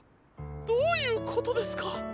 どういうことですか？